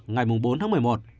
ngày bốn tháng một mươi một